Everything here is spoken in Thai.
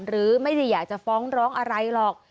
หรือไม่ได้อยากจะฟ้องร้องอะไรหรอก